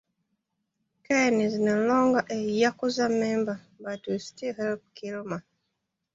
Ken is no longer a yakuza member, but will still help Kilmer.